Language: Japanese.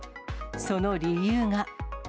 その理由が。